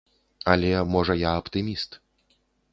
Але, можа, я аптыміст.